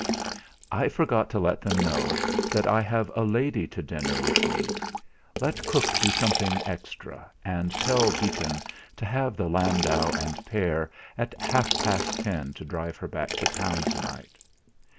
"I forgot to let them know that I have a lady to dinner with me. Let cook do something extra, and tell Beacon to have the landau and pair at half past ten to drive her back to Town to night.